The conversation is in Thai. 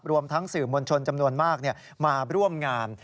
รวมทั้งสื่อมวลชนจำนวนมากมาร่วมงาน